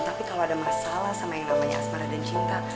tapi kalau ada masalah sama yang namanya asmara dan cinta